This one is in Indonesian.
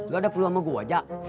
lu ada perlu sama gua ojak